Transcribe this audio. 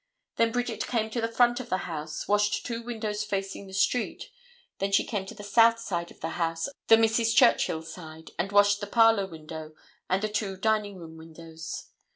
Then Bridget came to the front of the house, washed two windows facing the street; then she came to the south side of the house, the Mrs. Churchill side, and washed the parlor window and the two dining room windows.